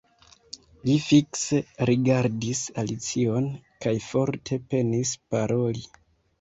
Li fikse rigardis Alicion kaj forte penis paroli.